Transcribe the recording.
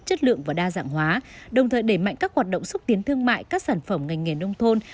chất lượng và đa dạng hóa đồng thời đẩy mạnh các hoạt động xúc tiến thương mại các sản phẩm ngành nghề nông thôn